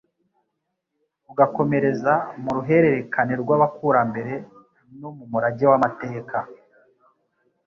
ugakomereza mu ruhererekane rw’abakurambere no mu murage w’amategeko